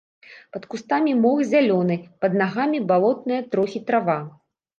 Пад кустамі мох зялёны, пад нагамі балотная трохі трава.